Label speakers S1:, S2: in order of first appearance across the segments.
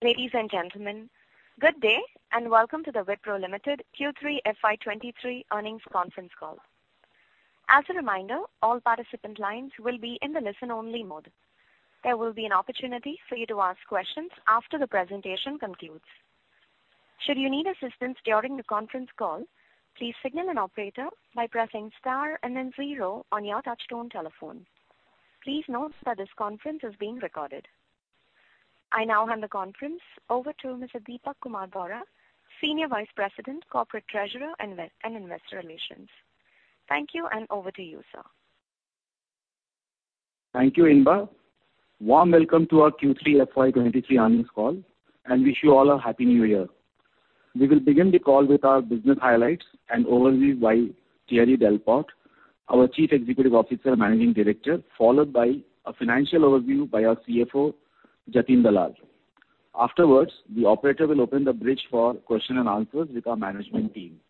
S1: Ladies and gentlemen, good day and welcome to the Wipro Limited Q3 FY23 earnings conference call. As a reminder, all participant lines will be in the listen-only mode. There will be an opportunity for you to ask questions after the presentation concludes. Should you need assistance during the conference call, please signal an operator by pressing star and then zero on your touch tone telephone. Please note that this conference is being recorded. I now hand the conference over to Mr. Dipak Kumar Bohra, Senior Vice President, Corporate Treasurer and Investor Relations. Thank you. Over to you, sir.
S2: Thank you, Inba. Warm welcome to our Q3 FY23 earnings call and wish you all a happy New Year. We will begin the call with our business highlights and overview by Thierry Delaporte, our Chief Executive Officer and Managing Director, followed by a financial overview by our CFO, Jatin Dalal. Afterwards, the operator will open the bridge for question and answers with our management team.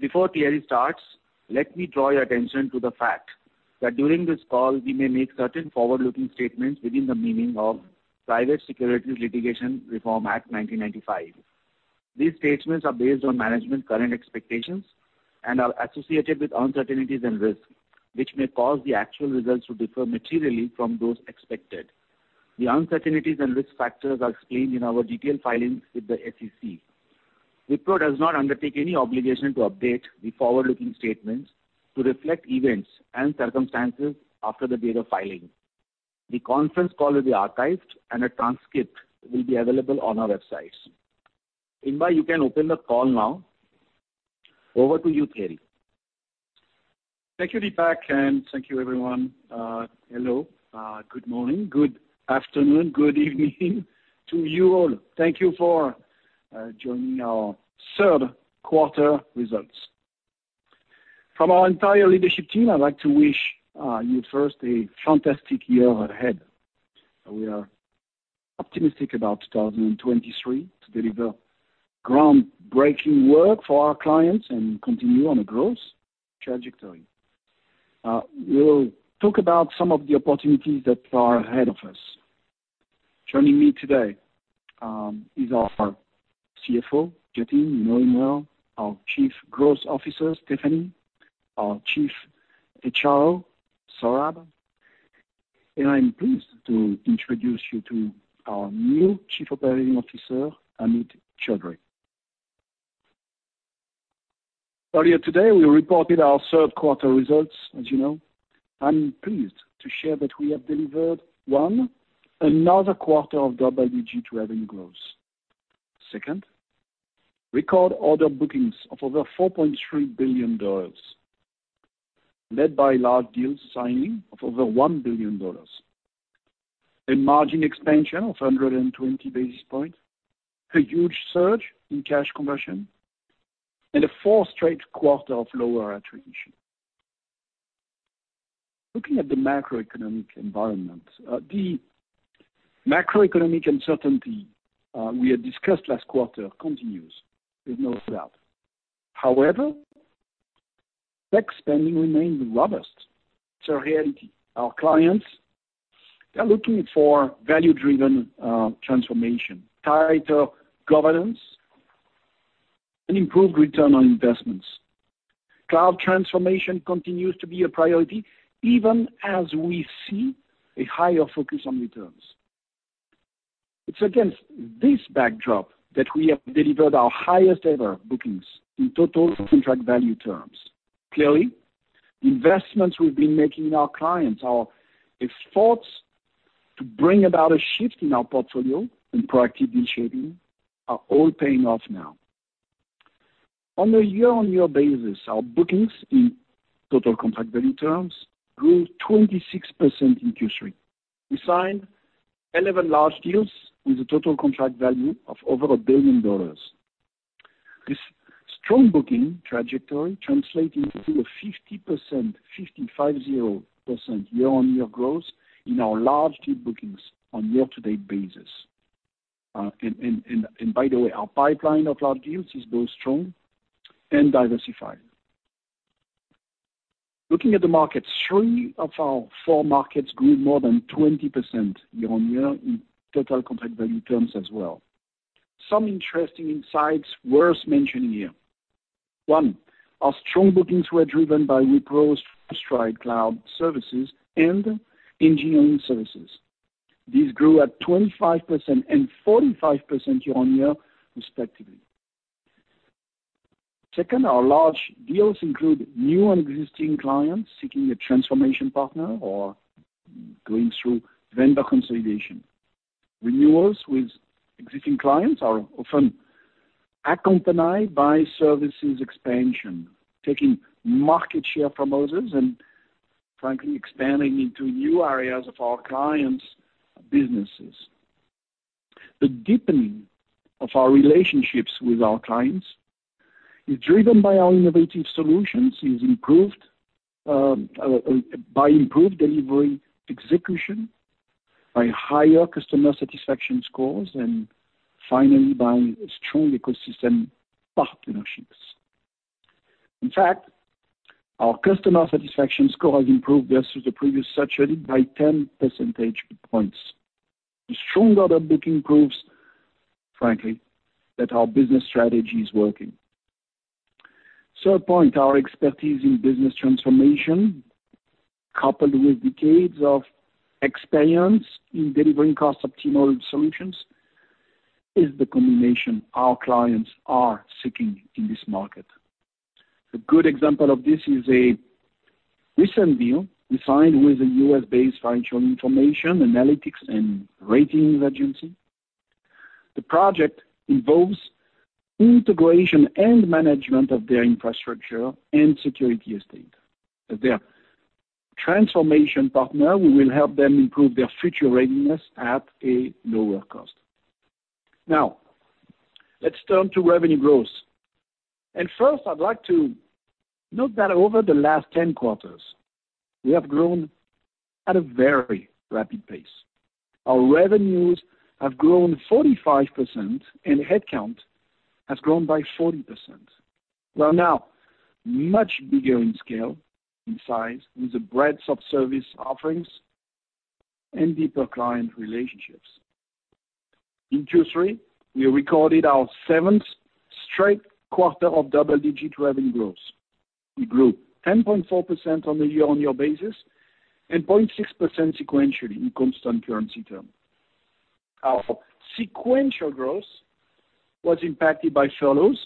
S2: Before Thierry starts, let me draw your attention to the fact that during this call we may make certain forward-looking statements within the meaning of Private Securities Litigation Reform Act of 1995. These statements are based on management's current expectations and are associated with uncertainties and risks, which may cause the actual results to differ materially from those expected. The uncertainties and risk factors are explained in our detailed filings with the SEC. Wipro does not undertake any obligation to update the forward-looking statements to reflect events and circumstances after the date of filing. The conference call will be archived and a transcript will be available on our website. Inba, you can open the call now. Over to you, Thierry.
S3: Thank you, Dipak, and thank you everyone. Hello, good morning, good afternoon, good evening to you all. Thank you for joining our third quarter results. From our entire leadership team, I'd like to wish you first a fantastic year ahead. We are optimistic about 2023 to deliver groundbreaking work for our clients and continue on a growth trajectory. We'll talk about some of the opportunities that are ahead of us. Joining me today is our CFO, Jatin, you know him well, our Chief Growth Officer, Stephanie, our Chief HR, Saurabh, and I'm pleased to introduce you to our new Chief Operating Officer, Amit Choudhary. Earlier today, we reported our third quarter results, as you know. I'm pleased to share that we have delivered, one, another quarter of double-digit revenue growth. Second, record order bookings of over $4.3 billion, led by large deals signing of over $1 billion. A margin expansion of 120 basis points. A huge surge in cash conversion and a fourth straight quarter of lower attrition. Looking at the macroeconomic environment, the macroeconomic uncertainty we had discussed last quarter continues with no doubt. However, tech spending remains robust. It's a reality. Our clients are looking for value-driven transformation, tighter governance, and improved return on investments. Cloud transformation continues to be a priority even as we see a higher focus on returns. It's against this backdrop that we have delivered our highest ever bookings in total contract value terms. Clearly, the investments we've been making in our clients, our efforts to bring about a shift in our portfolio and proactive deal shaping are all paying off now. On a year-on-year basis, our bookings in total contract value terms grew 26% in Q3. We signed 11 large deals with a total contract value of over $1 billion. This strong booking trajectory translates into a 50% year-on-year growth in our large deal bookings on year-to-date basis. By the way, our pipeline of large deals is both strong and diversified. Looking at the markets, three of our four markets grew more than 20% year-on-year in total contract value terms as well. Some interesting insights worth mentioning here. One, our strong bookings were driven by Wipro FullStride Cloud Services and engineering services. These grew at 25% and 45% year-on-year, respectively. Second, our large deals include new and existing clients seeking a transformation partner or going through vendor consolidation. Renewals with existing clients are often accompanied by services expansion, taking market share from others and frankly expanding into new areas of our clients' businesses. The deepening of our relationships with our clients is driven by our innovative solutions, is improved by improved delivery execution, by higher customer satisfaction scores, and finally, by a strong ecosystem partnership. Our customer satisfaction score has improved versus the previous century by 10 percentage points. The strong order booking proves, frankly, that our business strategy is working. Third point, our expertise in business transformation, coupled with decades of experience in delivering cost-optimal solutions, is the combination our clients are seeking in this market. A good example of this is a recent deal we signed with a U.S. based financial information analytics and ratings agency. The project involves integration and management of their infrastructure and security estate. Let's turn to revenue growth. First, I'd like to note that over the last 10 quarters, we have grown at a very rapid pace. Our revenues have grown 45%, and headcount has grown by 40%. We are now much bigger in scale, in size, with the breadth of service offerings and deeper client relationships. In Q3, we recorded our 7th straight quarter of double-digit revenue growth. We grew 10.4% on a year-on-year basis and 0.6% sequentially in constant currency terms. Our sequential growth was impacted by furloughs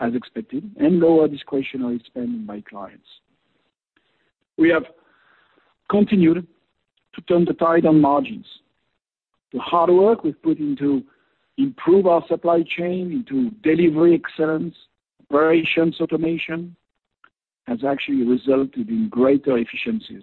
S3: as expected and lower discretionary spending by clients. We have continued to turn the tide on margins. The hard work we've put into improve our supply chain into delivery excellence, operations automation, has actually resulted in greater efficiencies.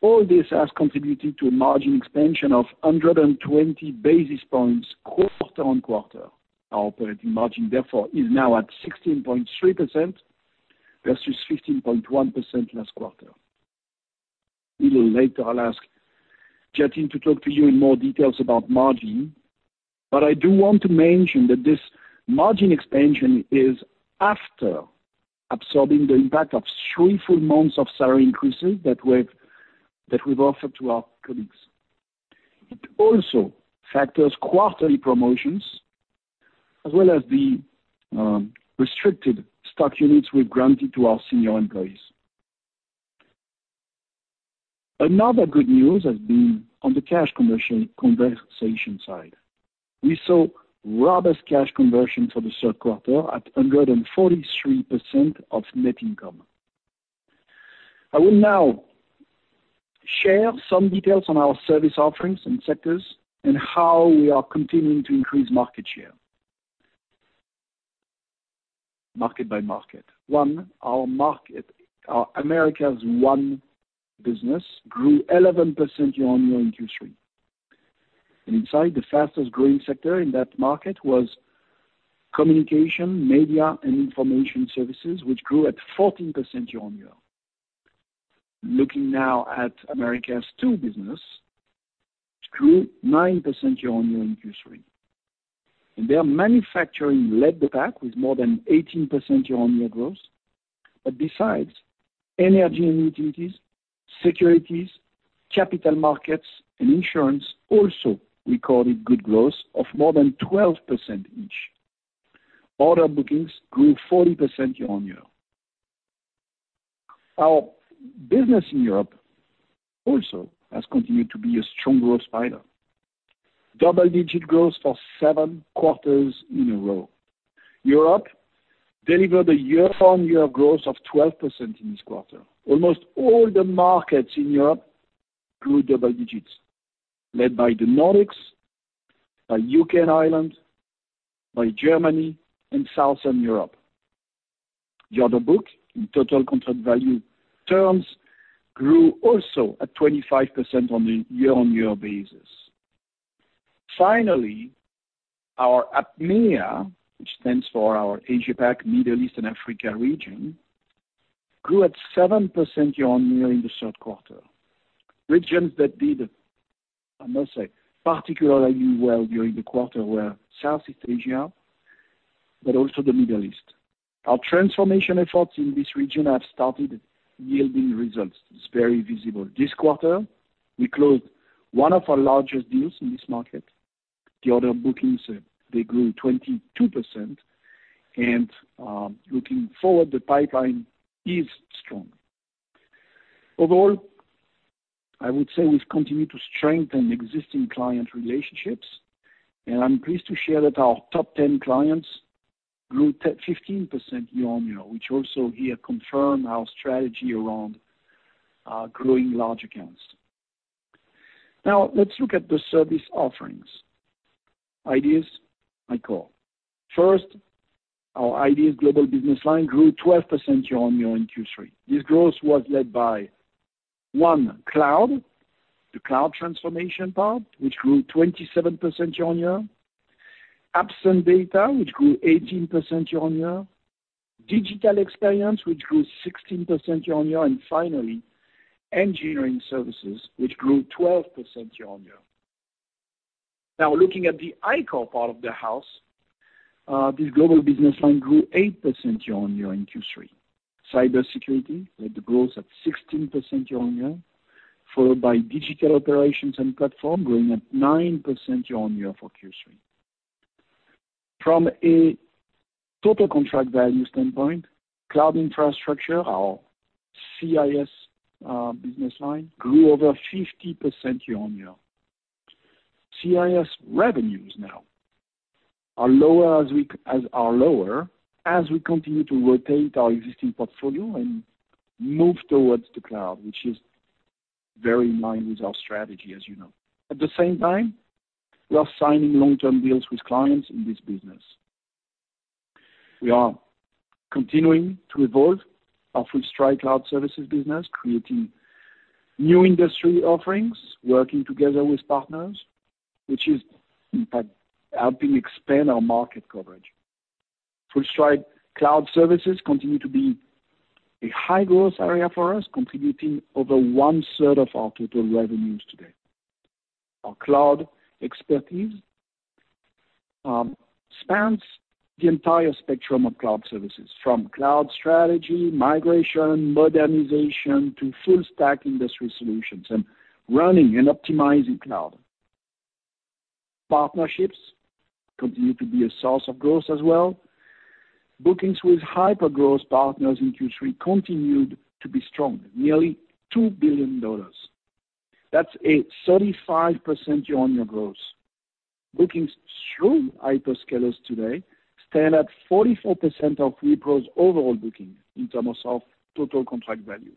S3: All this has contributed to a margin expansion of 120 basis points quarter-over-quarter. Our operating margin, therefore, is now at 16.3% versus 15.1% last quarter. A little later, I'll ask Jatin to talk to you in more details about margin, but I do want to mention that this margin expansion is after absorbing the impact of three full months of salary increases that we've offered to our colleagues. It also factors quarterly promotions as well as the restricted stock units we've granted to our senior employees. Another good news has been on the cash conversion side. We saw robust cash conversion for the third quarter at 143% of net income. I will now share some details on our service offerings and sectors and how we are continuing to increase market share. Market by market. 1, our market, our Americas 1 business grew 11% year-on-year in Q3. Inside the fastest-growing sector in that market was communication, media, and information services, which grew at 14% year-on-year. Looking now at Americas two business, it grew 9% year-on-year in Q3. Their manufacturing led the pack with more than 18% year-on-year growth. Besides energy and utilities, securities, capital markets, and insurance also recorded good growth of more than 12% each. Order bookings grew 40% year-on-year. Our business in Europe also has continued to be a strong growth driver. Double-digit growth for seven quarters in a row. Europe delivered a year-on-year growth of 12% in this quarter. Almost all the markets in Europe grew double digits, led by the Nordics, by U.K. and Ireland, by Germany, and Southern Europe. The order book in total contract value terms grew also at 25% on a year-on-year basis. Our APMEA, which stands for our AsiaPac, Middle East, and Africa region, grew at 7% year-on-year in the third quarter. Regions that did, I must say, particularly well during the quarter were Southeast Asia, but also the Middle East. Our transformation efforts in this region have started yielding results. It's very visible. This quarter, we closed one of our largest deals in this market. The order bookings, they grew 22%. Looking forward, the pipeline is strong. I would say we've continued to strengthen existing client relationships, and I'm pleased to share that our top 10 clients grew 15% year-on-year, which also here confirm our strategy around growing large accounts. Let's look at the service offerings. IDeaS, iCORE. First, our iDeaS global business line grew 12% year-on-year in Q3. This growth was led by, one, cloud, the cloud transformation part, which grew 27% year-on-year. Apps and data, which grew 18% year-on-year. Digital experience, which grew 16% year-on-year. Finally, engineering services, which grew 12% year-on-year. Looking at the iCORE part of the house, this global business line grew 8% year-on-year in Q3. Cybersecurity had the growth at 16% year-on-year, followed by digital operations and platform growing at 9% year-on-year for Q3. From a total contract value standpoint, cloud infrastructure, our CIS, business line grew over 50% year-on-year. CIS revenues now are lower as are lower as we continue to rotate our existing portfolio and move towards the cloud, which is very in line with our strategy, you know. At the same time, we are signing long-term deals with clients in this business. We are continuing to evolve our FullStride Cloud Services business, creating new industry offerings, working together with partners, which is in fact helping expand our market coverage. FullStride Cloud Services continue to be a high growth area for us, contributing over 1/3 of our total revenues today. Our cloud expertise spans the entire spectrum of cloud services, from cloud strategy, migration, modernization, to full stack industry solutions and running and optimizing cloud. Partnerships continue to be a source of growth as well. Bookings with hypergrowth partners in Q3 continued to be strong, nearly $2 billion. That's a 35% year-over-year growth. Bookings through hyperscalers today stand at 44% of Wipro's overall booking in terms of total contract value.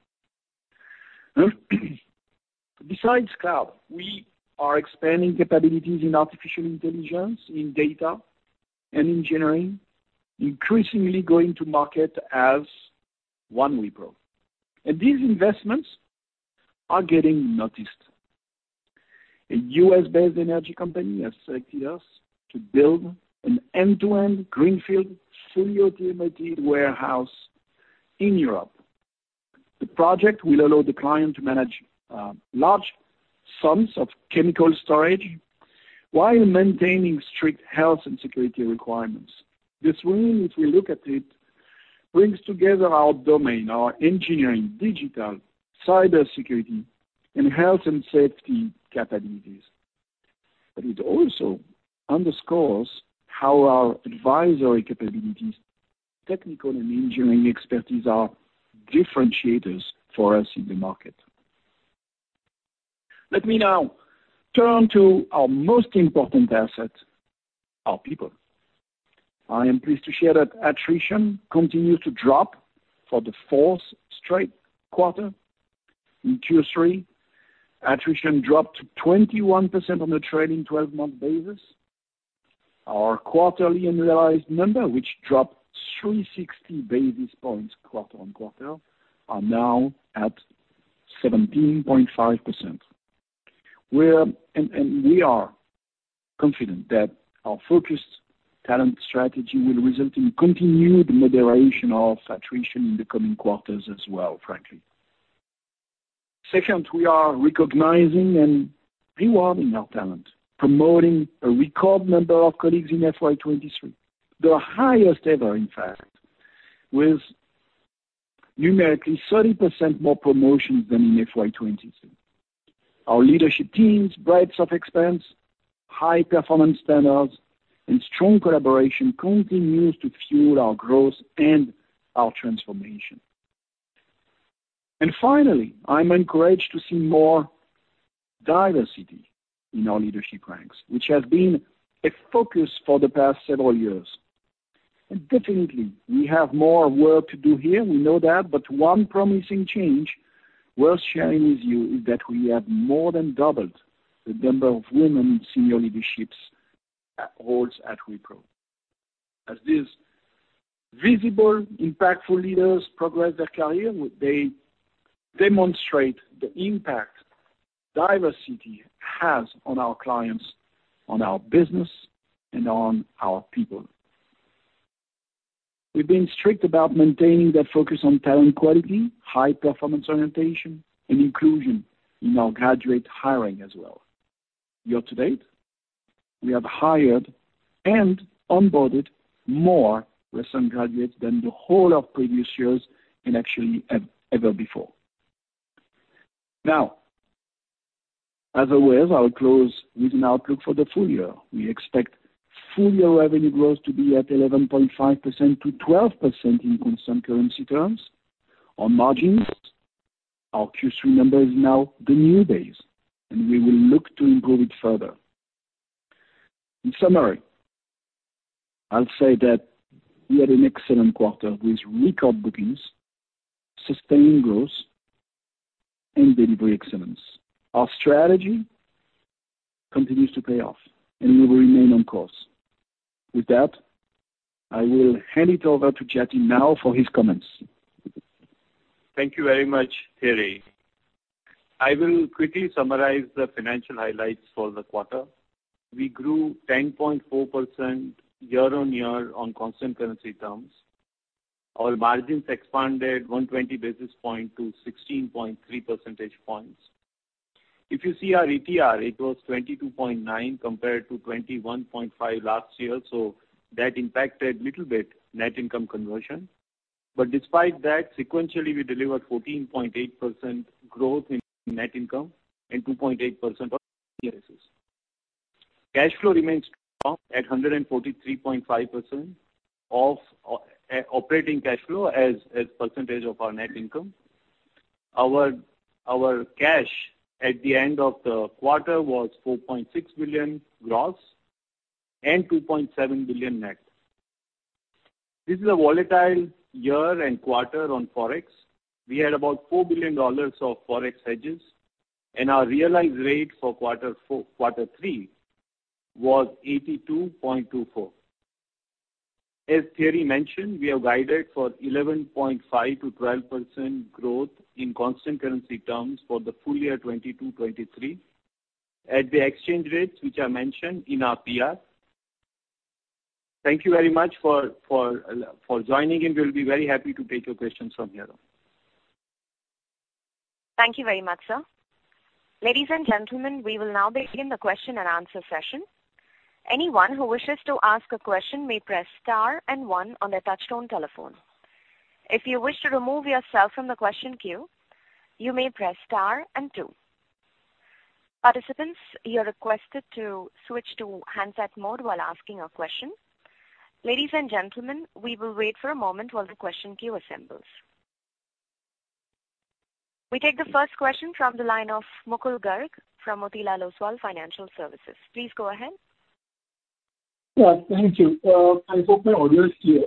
S3: Besides cloud, we are expanding capabilities in artificial intelligence, in data and engineering, increasingly going to market as one Wipro. These investments are getting noticed. A U.S.-based energy company has selected us to build an end-to-end greenfield fully automated warehouse in Europe. The project will allow the client to manage large sums of chemical storage while maintaining strict health and security requirements. This win, if we look at it, brings together our domain, our engineering, digital, cybersecurity, and health and safety capabilities. It also underscores how our advisory capabilities, technical and engineering expertise are differentiators for us in the market. Let me now turn to our most important asset, our people. I am pleased to share that attrition continued to drop for the fourth straight quarter. In Q3, attrition dropped to 21% on the trailing twelve-month basis. Our quarterly annualized number, which dropped 360 basis points quarter-on-quarter, are now at 17.5%. We are confident that our focused talent strategy will result in continued moderation of attrition in the coming quarters as well, frankly. Second, we are recognizing and rewarding our talent, promoting a record number of colleagues in FY 2023, the highest ever in fact, with numerically 30% more promotions than in FY 2022. Our leadership team's breadth of expense, high performance standards, and strong collaboration continues to fuel our growth and our transformation. Finally, I'm encouraged to see more diversity in our leadership ranks, which has been a focus for the past several years. Definitely we have more work to do here, we know that, but one promising change worth sharing with you is that we have more than doubled the number of women in senior leaderships roles at Wipro. As these visible, impactful leaders progress their career, they demonstrate the impact diversity has on our clients, on our business, and on our people. We've been strict about maintaining that focus on talent quality, high performance orientation, and inclusion in our graduate hiring as well. Year to date, we have hired and onboarded more recent graduates than the whole of previous years and actually ever before. As always, I'll close with an outlook for the full year. We expect full year revenue growth to be at 11.5%-12% in constant currency terms. On margins, our Q3 number is now the new base, and we will look to improve it further. In summary, I'll say that we had an excellent quarter with record bookings, sustained growth, and delivery excellence. Our strategy continues to pay off, and we will remain on course. With that, I will hand it over to Jatin now for his comments.
S4: Thank you very much, Thierry. I will quickly summarize the financial highlights for the quarter. We grew 10.4% year-on-year on constant currency terms. Our margins expanded 120 basis points to 16.3 percentage points. If you see our Attrition, it was 22.9 compared to 21.5 last year, so that impacted little bit net income conversion. Despite that, sequentially, we delivered 14.8% growth in net income and 2.8% of Cash flow remains strong at 143.5% of operating cash flow as percentage of our net income. Our cash at the end of the quarter was $4.6 billion gross and $2.7 billion net. This is a volatile year and quarter on Forex. We had about $4 billion of Forex hedges, and our realized rate for quarter three was 82.24. As Thierry mentioned, we have guided for 11.5%-12% growth in constant currency terms for the full year 2022-2023 at the exchange rates which are mentioned in our PR. Thank you very much for joining, and we'll be very happy to take your questions from here on.
S1: Thank you very much, sir. Ladies and gentlemen, we will now begin the question and answer session. Anyone who wishes to ask a question may press star and one on their touchtone telephone. If you wish to remove yourself from the question queue, you may press star and two. Participants, you are requested to switch to handset mode while asking a question. Ladies and gentlemen, we will wait for a moment while the question queue assembles. We take the first question from the line of Mukul Garg from Motilal Oswal Financial Services. Please go ahead.
S5: Yeah, thank you. I hope my audio is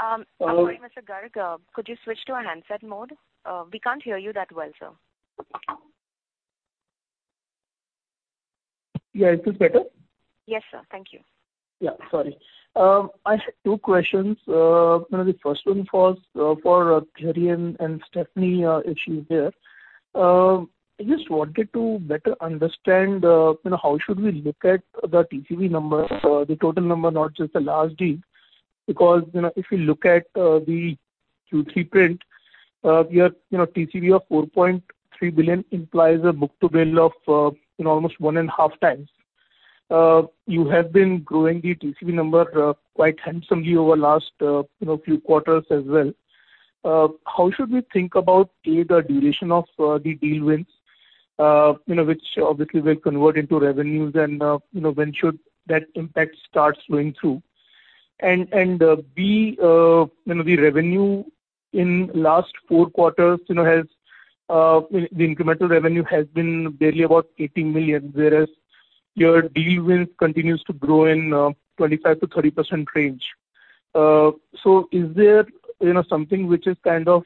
S5: clear.
S1: Sorry, Mr. Garg. Could you switch to a handset mode? We can't hear you that well, sir.
S5: Yeah. Is this better?
S1: Yes, sir. Thank you.
S5: Yeah. Sorry. I have two questions. You know, the first one was for Thierry and Stephanie, if she's there. I just wanted to better understand, you know, how should we look at the TCV number, the total number, not just the last deal. Because, you know, if you look at the Q3 print, your, you know, TCV of $4.3 billion implies a book-to-bill of, you know, almost 1.5x. You have been growing the TCV number quite handsomely over last, you know, few quarters as well. How should we think about, A, the duration of the deal wins, you know, which obviously will convert into revenues and, you know, when should that impact start flowing through? You know, the revenue in last four quarters, you know, has the incremental revenue has been barely about $80 million, whereas your deal wins continues to grow in 25%-30% range. Is there, you know, something which is kind of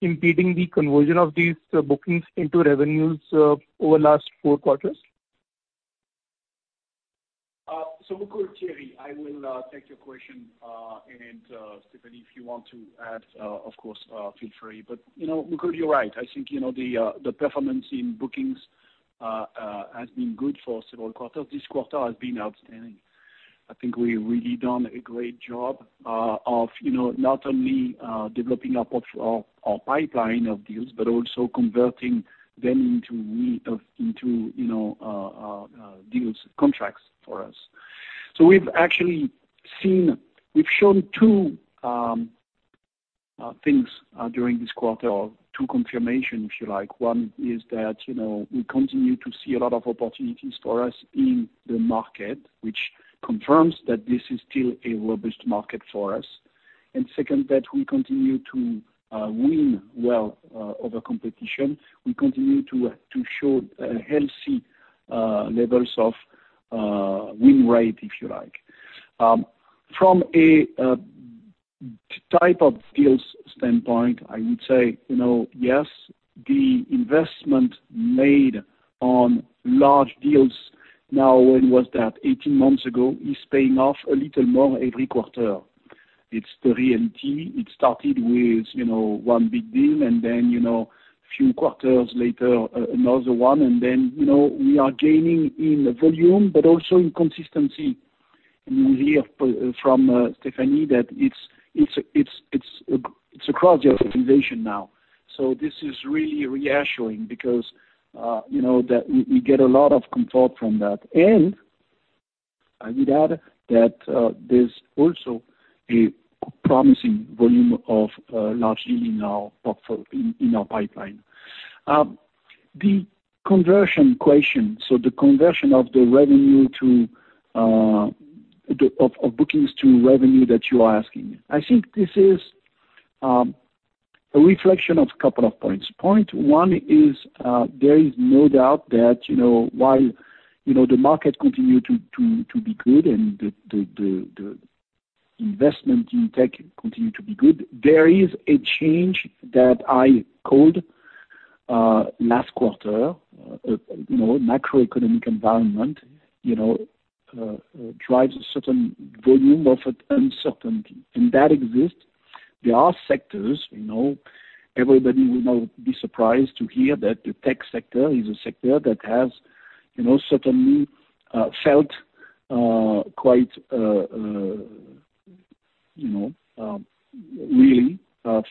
S5: impeding the conversion of these bookings into revenues over the last four quarters?
S3: Mukul, Thierry, I will take your question. And Stephanie, if you want to add, of course, feel free. You know, Mukul, you're right. I think, you know, the performance in bookings has been good for several quarters. This quarter has been outstanding. I think we've really done a great job of, you know, not only developing our pipeline of deals, but also converting them into, you know, deals, contracts for us. We've actually seen. We've shown two things during this quarter or two confirmation, if you like. One is that, you know, we continue to see a lot of opportunities for us in the market, which confirms that this is still a robust market for us. Second, that we continue to win well over competition. We continue to show healthy levels of win rate, if you like. From a type of deals standpoint, I would say, you know, yes, the investment made on large deals now, when was that? 18 months ago, is paying off a little more every quarter. It's 3M. It started with, you know, one big deal, and then, you know, few quarters later, another one. Then, you know, we are gaining in volume, but also in consistency. You hear from Stephanie that it's across the organization now. This is really reassuring because, you know that we get a lot of comfort from that. I would add that there's also a promising volume of large deal in our pipeline. The conversion question, so the conversion of the revenue to bookings to revenue that you are asking. I think this is a reflection of a couple of points. Point one is there is no doubt that, you know, while, you know, the market continue to be good and the investment in tech continue to be good, there is a change that I called last quarter. You know, macroeconomic environment, you know, drives a certain volume of uncertainty, and that exists. There are sectors, you know, everybody will now be surprised to hear that the tech sector is a sector that You know, certainly, felt quite, you know, really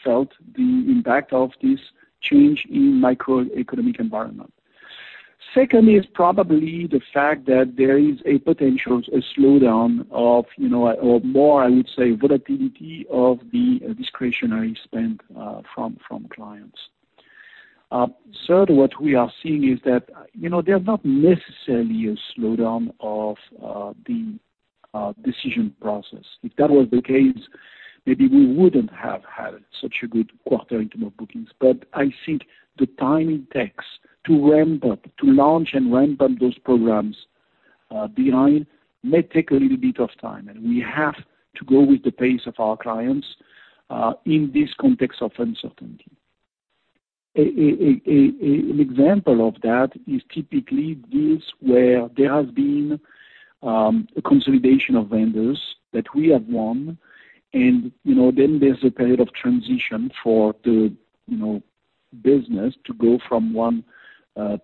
S3: felt the impact of this change in macroeconomic environment. Secondly, is probably the fact that there is a potential, a slowdown of, you know, or more, I would say, volatility of the discretionary spend from clients. Third, what we are seeing is that, you know, there's not necessarily a slowdown of the decision process. If that was the case, maybe we wouldn't have had such a good quarter in terms of bookings. I think the time it takes to ramp up, to launch and ramp up those programs behind may take a little bit of time, and we have to go with the pace of our clients in this context of uncertainty. An example of that is typically deals where there has been a consolidation of vendors that we have won and, you know, then there's a period of transition for the, you know, business to go from one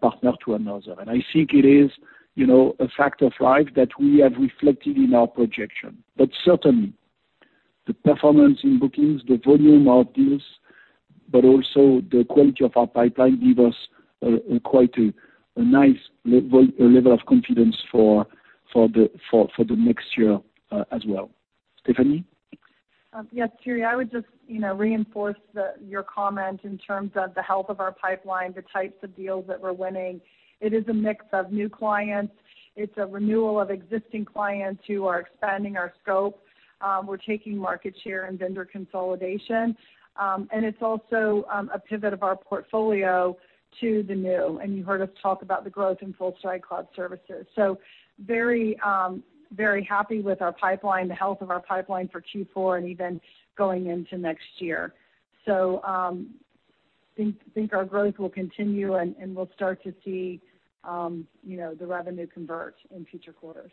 S3: partner to another. I think it is, you know, a fact of life that we have reflected in our projection. Certainly the performance in bookings, the volume of deals, but also the quality of our pipeline give us quite a nice level of confidence for the next year as well. Stephanie? Yes, Thierry. I would just, you know, reinforce the your comment in terms of the health of our pipeline, the types of deals that we're winning. It is a mix of new clients. It's a renewal of existing clients who are expanding our scope. We're taking market share and vendor consolidation. It's also, a pivot of our portfolio to the new, and you heard us talk about the growth in full-stack cloud services. Very, very happy with our pipeline, the health of our pipeline for Q4 and even going into next year. Think our growth will continue and we'll start to see, you know, the revenue convert in future quarters.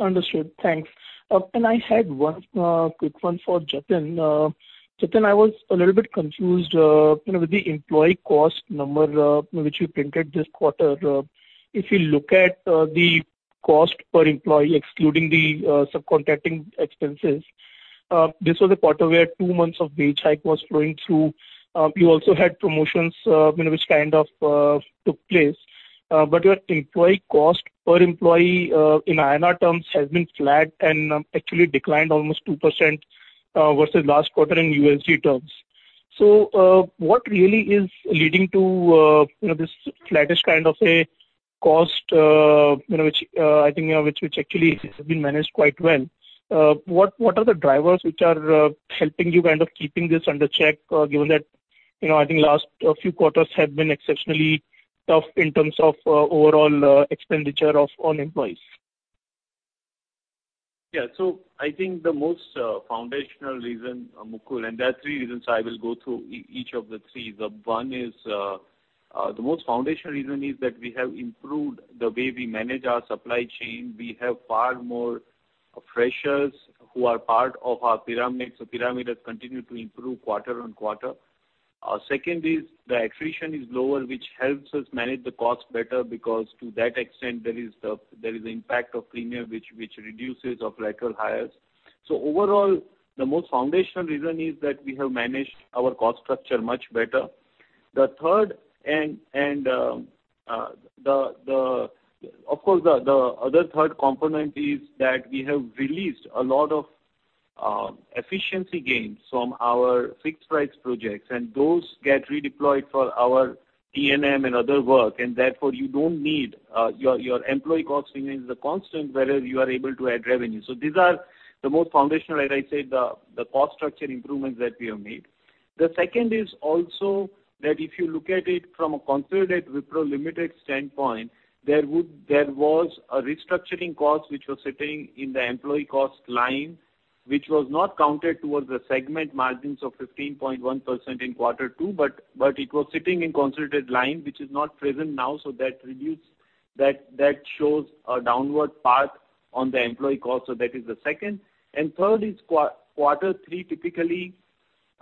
S5: Understood. Thanks. I had one quick one for Jatin. Jatin, I was a little bit confused, you know, with the employee cost number, which you printed this quarter. If you look at the cost per employee, excluding the subcontracting expenses, this was a quarter where two months of wage hike was flowing through. You also had promotions, you know, which kind of took place. Your employee cost per employee, in INR terms has been flat and actually declined almost 2% versus last quarter in USD terms. What really is leading to, you know, this flattish kind of a cost, you know, which I think, which actually has been managed quite well? What are the drivers which are helping you kind of keeping this under check, given that, you know, I think last few quarters have been exceptionally tough in terms of overall expenditure of own employees?
S4: I think the most foundational reason, Mukul, there are three reasons I will go through each of the three. The one is, the most foundational reason is that we have improved the way we manage our supply chain. We have far more freshers who are part of our pyramid. Pyramid has continued to improve quarter on quarter. Second is the attrition is lower, which helps us manage the cost better because to that extent there is impact of premium which reduces of lateral hires. Overall, the most foundational reason is that we have managed our cost structure much better. The third and, the, of course, the other third component is that we have released a lot of efficiency gains from our fixed price projects, and those get redeployed for our DNM and other work. Therefore, you don't need, your employee cost remains the constant wherever you are able to add revenue. These are the most foundational, as I said, the cost structure improvements that we have made. The second is also that if you look at it from a consolidated Wipro Limited standpoint, there was a restructuring cost which was sitting in the employee cost line, which was not counted towards the segment margins of 15.1% in quarter two, but it was sitting in consolidated line, which is not present now. That reduced that shows a downward path on the employee cost. That is the second. Third is quarter three, typically,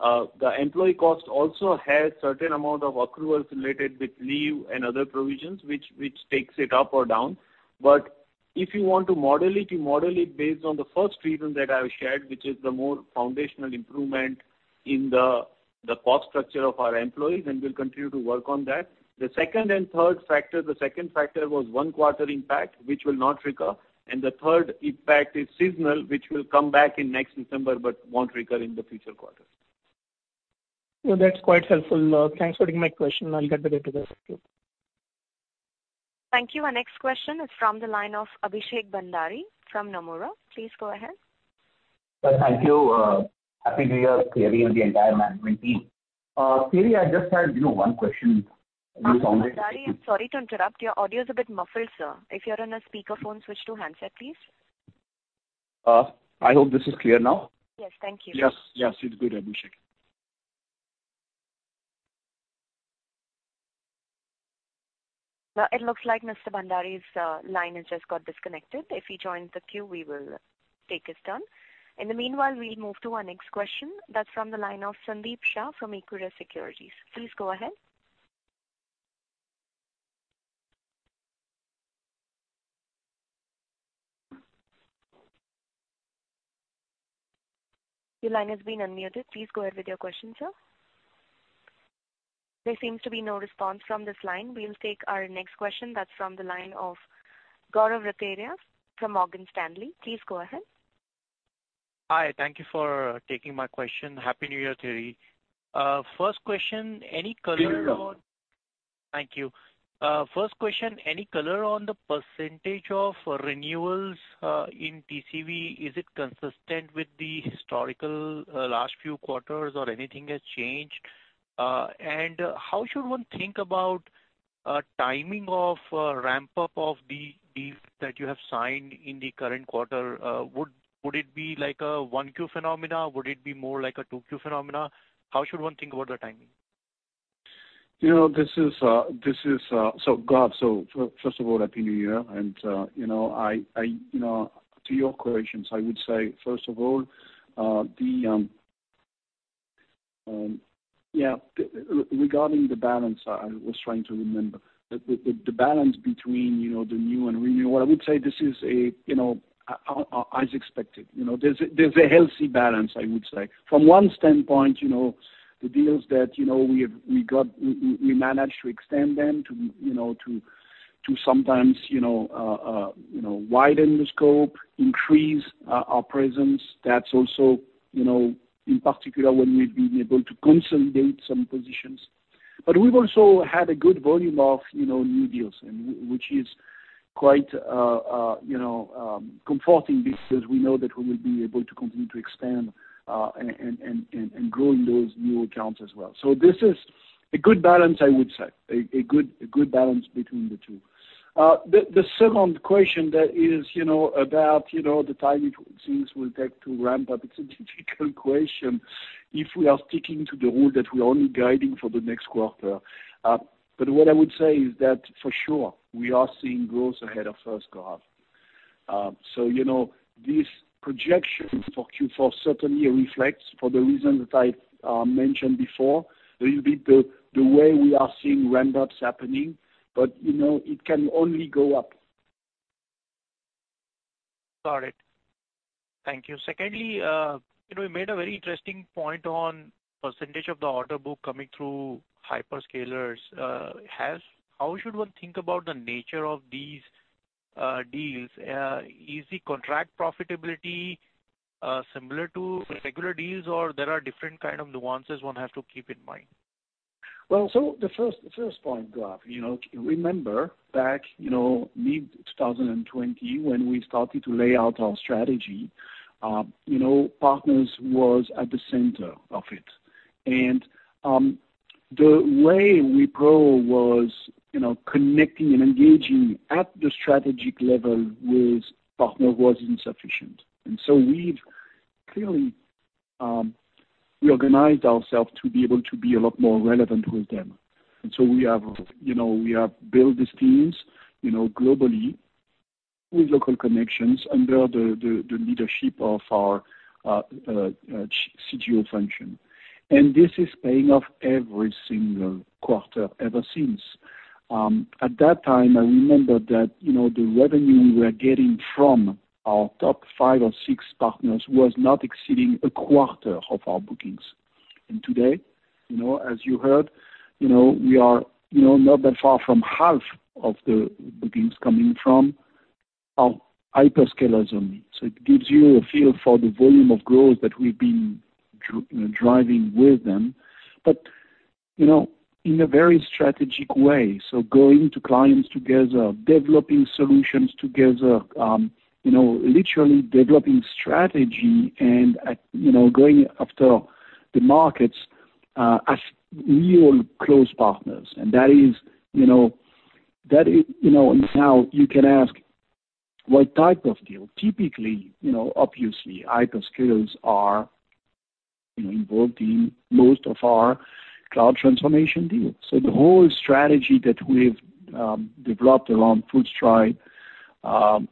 S4: the employee cost also has certain amount of accruals related with leave and other provisions which takes it up or down. If you want to model it, you model it based on the first reason that I have shared, which is the more foundational improvement in the cost structure of our employees, and we'll continue to work on that. The second and third factor, the second factor was 1 quarter impact, which will not recur. The third impact is seasonal, which will come back in next December but won't recur in the future quarters.
S5: No, that's quite helpful. Thanks for taking my question. I'll get back to the queue.
S1: Thank you. Our next question is from the line of Abhishek Bhandari from Nomura. Please go ahead.
S6: Thank you. Happy new year, Thierry, and the entire management team. Thierry, I just had, you know, one question...
S1: Mr. Bhandari, I'm sorry to interrupt. Your audio is a bit muffled, sir. If you're on a speakerphone, switch to handset, please.
S6: I hope this is clear now.
S1: Yes. Thank you. It looks like Mr. Bhandari's line has just got disconnected. If he joins the queue, we will take his turn. In the meanwhile, we'll move to our next question. That's from the line of Sandeep Shah from Equirus Securities. Please go ahead. Your line has been unmuted. Please go ahead with your question, sir. There seems to be no response from this line. We'll take our next question. That's from the line of Gaurav Rateria from Morgan Stanley. Please go ahead.
S7: Hi. Thank you for taking my question. Happy New Year, Thierry. First question, any color on the percentage of renewals in TCV? Is it consistent with the historical, last few quarters or anything has changed? How should one think about, timing of ramp-up of the deals that you have signed in the current quarter? Would it be like a 1 Q phenomena? Would it be more like a 2 Q phenomena? How should one think about the timing?
S3: You know, this is. Gaurav, first of all, happy New Year. You know, I, you know, to your questions, I would say first of all, the, regarding the balance, I was trying to remember. The balance between, you know, the new and renewal, I would say this is a, you know, as expected. You know, there's a healthy balance, I would say. From one standpoint, you know, the deals that, you know, we got, we managed to extend them to, you know, to sometimes, you know, widen the scope, increase our presence. That's also, you know, in particular when we've been able to consolidate some positions. We've also had a good volume of, you know, new deals and which is quite, you know, comforting because we know that we will be able to continue to expand and grow those new accounts as well. This is a good balance, I would say, a good balance between the two. The second question that is, you know, about, you know, the timing things will take to ramp up, it's a difficult question if we are sticking to the rule that we are only guiding for the next quarter. What I would say is that for sure we are seeing growth ahead of first half. You know, this projection for Q4 certainly reflects for the reasons that I mentioned before, a little bit the way we are seeing ramp-ups happening. But, you know, it can only go up.
S7: Got it. Thank you. Secondly, you know, you made a very interesting point on % of the order book coming through hyperscalers. How should one think about the nature of these deals? Is the contract profitability similar to regular deals, or there are different kind of nuances one has to keep in mind?
S3: Well, the first point, Gaurav, you know, remember back, you know, mid 2020 when we started to lay out our strategy, you know, partners was at the center of it. The way we grow was, you know, connecting and engaging at the strategic level with partner was insufficient. We've clearly reorganized ourselves to be able to be a lot more relevant with them. We have, you know, we have built these teams, you know, globally with local connections under the leadership of our CGO function. This is paying off every single quarter ever since. At that time, I remember that, you know, the revenue we were getting from our top five or six partners was not exceeding a quarter of our bookings. Today, you know, as you heard, you know, we are, you know, not that far from half of the bookings coming from our hyperscalers only. It gives you a feel for the volume of growth that we've been driving with them, but you know, in a very strategic way. Going to clients together, developing solutions together, you know, literally developing strategy and at, you know, going after the markets as real close partners. That is, you know. Now you can ask what type of deal? Typically, you know, obviously hyperscalers are, you know, involved in most of our cloud transformation deals. The whole strategy that we've developed around Wipro FullStride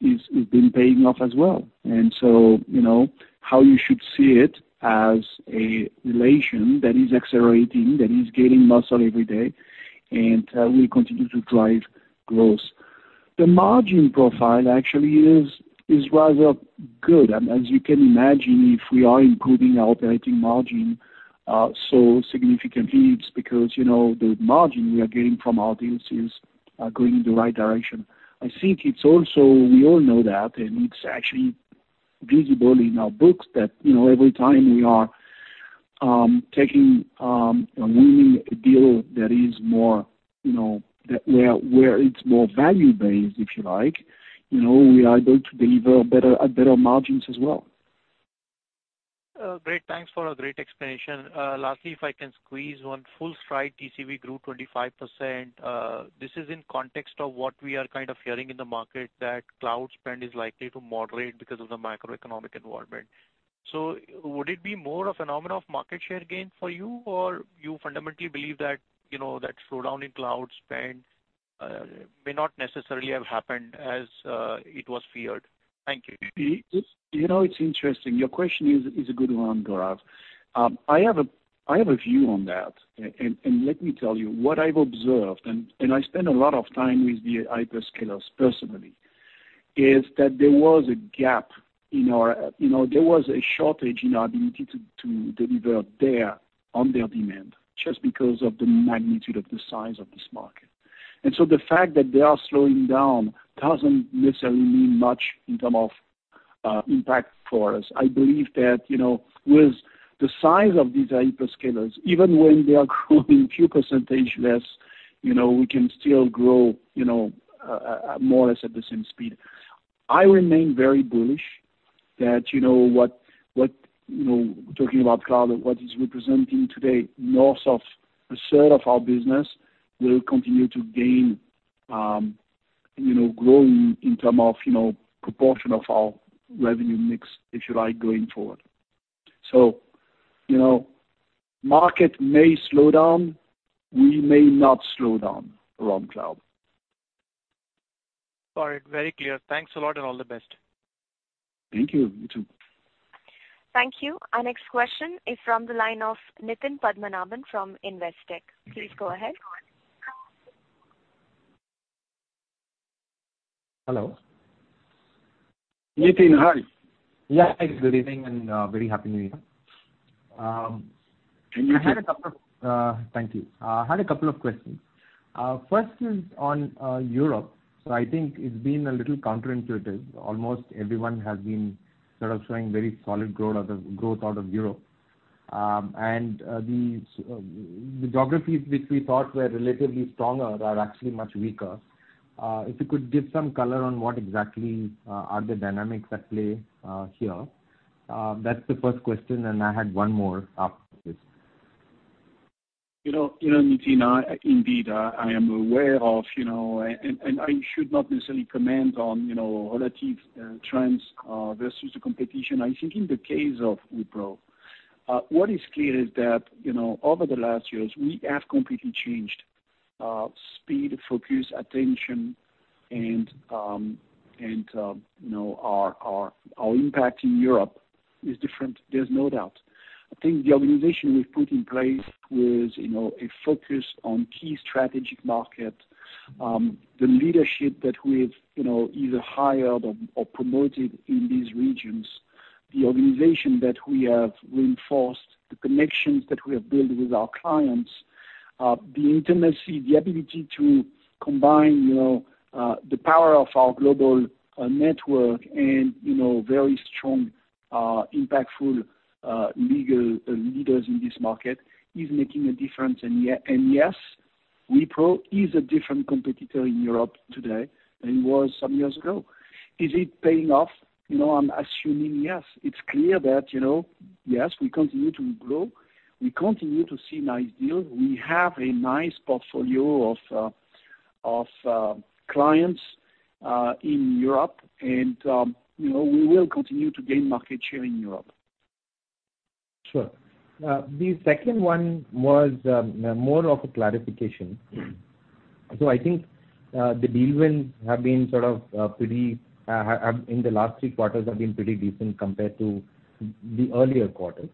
S3: is been paying off as well. You know, how you should see it as a relation that is accelerating, that is gaining muscle every day and will continue to drive growth. The margin profile actually is rather good. As you can imagine, if we are improving our operating margin so significantly, it's because, you know, the margin we are getting from our deals is going in the right direction. I think it's also, we all know that, and it's actually visible in our books that, you know, every time we are taking a winning deal that is more, you know, that where it's more value-based, if you like, you know, we are going to deliver better margins as well.
S7: Great. Thanks for a great explanation. Lastly, if I can squeeze one. FullStride TCV grew 25%. This is in context of what we are kind of hearing in the market, that cloud spend is likely to moderate because of the macroeconomic environment. Would it be more a phenomena of market share gain for you, or you fundamentally believe that, you know, that slowdown in cloud spend? May not necessarily have happened as it was feared. Thank you.
S3: You, you know, it's interesting. Your question is a good one, Gaurav. I have a view on that. And let me tell you what I've observed, and I spend a lot of time with the hyperscalers personally, is that there was a gap in our. There was a shortage in our ability to deliver on their demand just because of the magnitude of the size of this market. The fact that they are slowing down doesn't necessarily mean much in term of impact for us. I believe that, you know, with the size of these hyperscalers, even when they are growing few percentage less, you know, we can still grow, you know, more or less at the same speed. I remain very bullish that, you know, what, you know, talking about cloud and what is representing today, north of a third of our business will continue to gain, you know, growing in term of, you know, proportion of our revenue mix, if you like, going forward. You know, market may slow down. We may not slow down around cloud.
S7: All right, very clear. Thanks a lot, and all the best.
S3: Thank you. You too.
S1: Thank you. Our next question is from the line of Nitin Padmanabhan from Investec. Please go ahead.
S8: Hello.
S3: Nitin, hi.
S8: Yeah. Good evening, and, very Happy New Year.
S3: You too.
S8: Thank you. I had a couple of questions. First is on Europe. I think it's been a little counterintuitive. Almost everyone has been sort of showing very solid growth out of Europe. The geographies which we thought were relatively stronger are actually much weaker. If you could give some color on what exactly are the dynamics at play here. That's the first question. I had one more after this.
S3: You know, Nitin, I indeed, I am aware of, you know. I should not necessarily comment on, you know, relative trends versus the competition. I think in the case of Wipro, what is clear is that, you know, over the last years, we have completely changed speed, focus, attention, and, you know, our impact in Europe is different. There's no doubt. I think the organization we've put in place with, you know, a focus on key strategic market, the leadership that we've, you know, either hired or promoted in these regions, the organization that we have reinforced, the connections that we have built with our clients, the intimacy, the ability to combine, you know, the power of our global network and, you know, very strong, impactful, legal, leaders in this market is making a difference. Yes, Wipro is a different competitor in Europe today than it was some years ago. Is it paying off? You know, I'm assuming yes. It's clear that, you know, yes, we continue to grow. We continue to see nice deals. We have a nice portfolio of clients in Europe and, you know, we will continue to gain market share in Europe.
S8: Sure. The second one was more of a clarification.
S3: Mm-hmm.
S8: I think, the deal wins have been sort of, pretty, in the last three quarters have been pretty decent compared to the earlier quarters.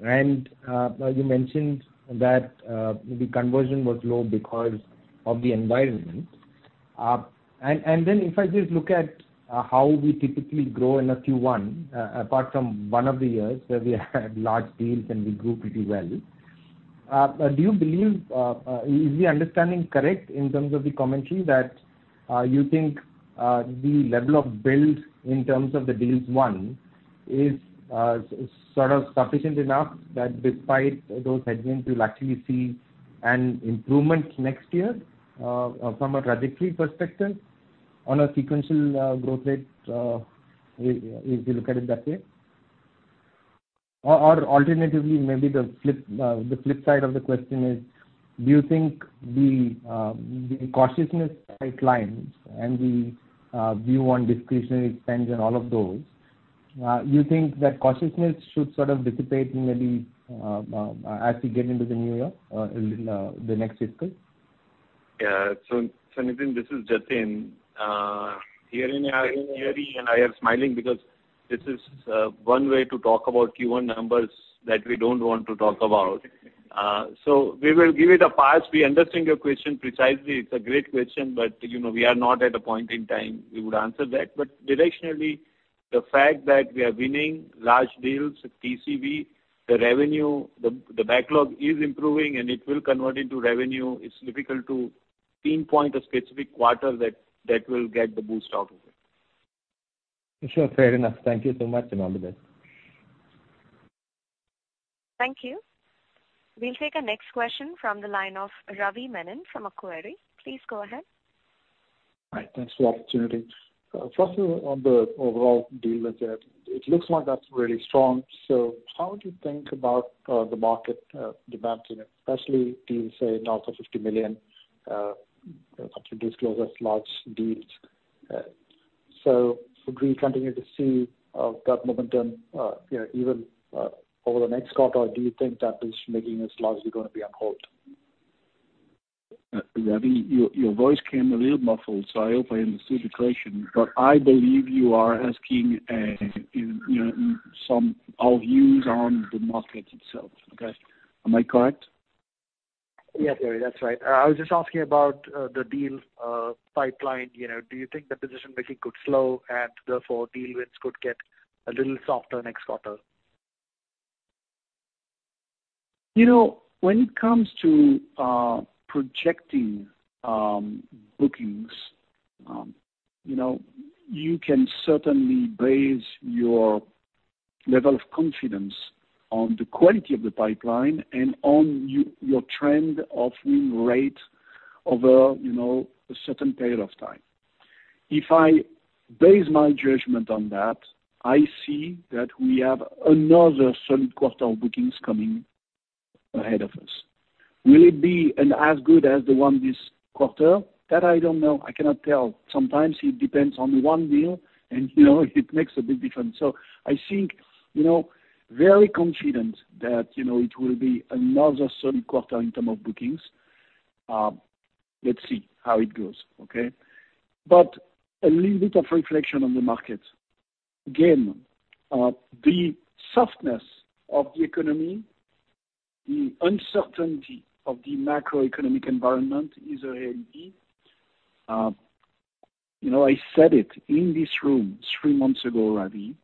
S8: You mentioned that, the conversion was low because of the environment. If I just look at, how we typically grow in a Q1, apart from one of the years where we had large deals and we grew pretty well, do you believe, is the understanding correct in terms of the commentary that, you think, the level of build in terms of the deals won is, sort of sufficient enough that despite those headwinds, you'll actually see an improvement next year, from a trajectory perspective on a sequential, growth rate, if you look at it that way? Alternatively, maybe the flip side of the question is do you think the cautiousness by clients and the view on discretionary spends and all of those, you think that cautiousness should sort of dissipate maybe, as we get into the new year, in the next fiscal?
S4: Yeah. Nitin, this is Jatin. here in IR, smiling because this is one way to talk about Q1 numbers that we don't want to talk about. We will give it a pass. We understand your question precisely. It's a great question, you know, we are not at a point in time we would answer that. Directionally, the fact that we are winning large deals with TCV, the revenue, the backlog is improving, and it will convert into revenue. It's difficult to pinpoint a specific quarter that will get the boost out of it.
S8: Sure. Fair enough. Thank you so much, and all the best.
S1: Thank you. We'll take our next question from the line of Ravi Menon from Macquarie. Please go ahead.
S9: Hi. Thanks for the opportunity. First on the overall deal with that, it looks like that's really strong. How would you think about the market demand unit, especially deals say north of $50 million, after disclosures large deals? Would we continue to see that momentum, you know, even over the next quarter? Or do you think that position making is largely gonna be on hold?
S3: Ravi, your voice came a little muffled, so I hope I understood the question, but I believe you are asking our views on the market itself. Okay? Am I correct?
S9: Yes, Thierry, that's right. I was just asking about the deal pipeline. You know, do you think the position making could slow and therefore deal wins could get a little softer next quarter?
S3: You know, when it comes to, projecting, bookings, you know, you can certainly base your level of confidence on the quality of the pipeline and on your trend of win rate over, you know, a certain period of time. If I base my judgment on that, I see that we have another solid quarter of bookings coming ahead of us. Will it be an as good as the one this quarter? That I don't know, I cannot tell. Sometimes it depends on one deal and, you know, it makes a big difference. I think, you know, very confident that, you know, it will be another solid quarter in term of bookings. Let's see how it goes, okay? A little bit of reflection on the market. Again, the softness of the economy, the uncertainty of the macroeconomic environment is a reality. You know, I said it in this room three months ago, Ravi,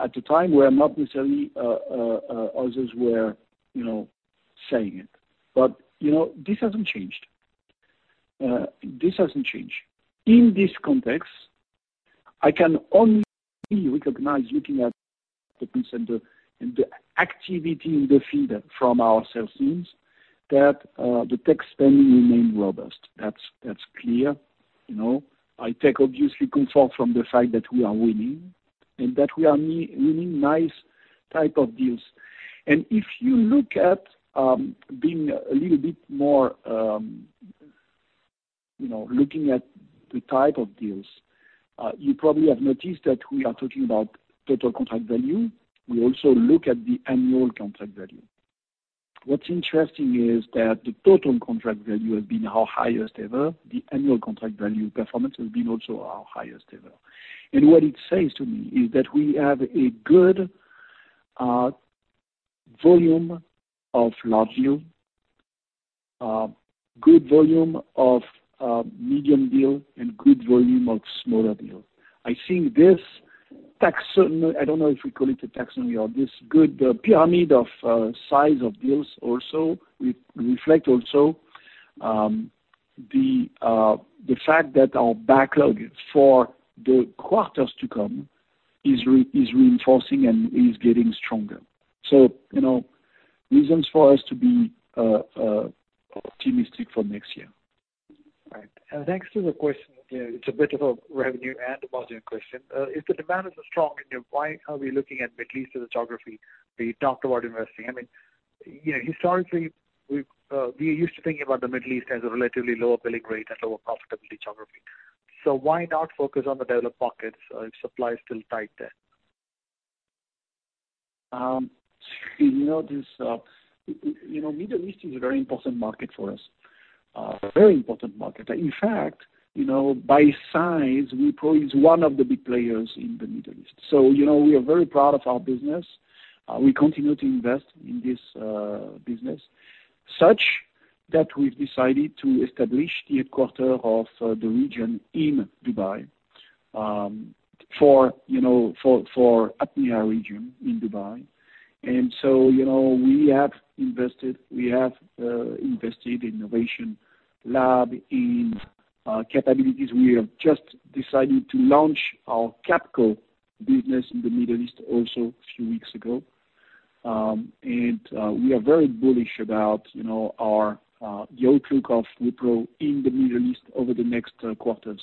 S3: at the time where not necessarily others were, you know, saying it. You know, this hasn't changed. This hasn't changed. In this context, I can only recognize looking at the consent and the activity in the field from our sales teams that the tech spending remain robust. That's clear, you know. I take obviously comfort from the fact that we are winning and that we are winning nice type of deals. If you look at, being a little bit more, you know, looking at the type of deals, you probably have noticed that we are talking about total contract value. We also look at the annual contract value. What's interesting is that the total contract value has been our highest ever. The annual contract value performance has been also our highest ever. What it says to me is that we have a good volume of large deal, good volume of medium deal, and good volume of smaller deal. I think this taxonomy... I don't know if we call it a taxonomy or this good pyramid of size of deals also reflect also the fact that our backlog for the quarters to come is reinforcing and is getting stronger. You know, reasons for us to be optimistic for next year.
S9: Right. next to the question, it's a bit of a revenue and margin question. if the demand is so strong in Europe, why are we looking at Middle East as a geography we talked about investing? I mean, you know, historically, we've, we are used to thinking about the Middle East as a relatively lower billing rate and lower profitability geography. Why not focus on the developed pockets, if supply is still tight there?
S3: You know, this, you know, Middle East is a very important market for us. A very important market. In fact, you know, by size, Wipro is one of the big players in the Middle East. We are very proud of our business. We continue to invest in this business, such that we've decided to establish the headquarter of the region in Dubai for, you know, for APMEA region in Dubai. We have invested, we have invested in innovation lab, in capabilities. We have just decided to launch our capital business in the Middle East also a few weeks ago. We are very bullish about, you know, our the outlook of Wipro in the Middle East over the next quarters.